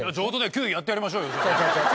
９位やってやりましょうよ。